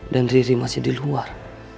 dan riri masih di luar